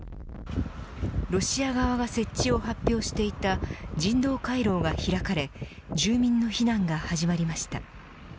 ロシア側が設置を発表していた人道回廊が開かれ住民の避難が始まりました。